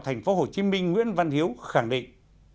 tp hcm nguyễn văn hiếu khẳng định